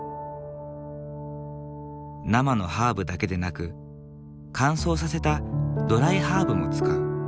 生のハーブだけでなく乾燥させたドライハーブも使う。